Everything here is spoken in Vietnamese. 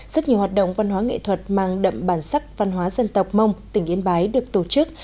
rất nhiều hoạt động văn hóa nghệ thuật mang đậm bản sắc văn hóa dân tộc mông tỉnh yên bái được tổ chức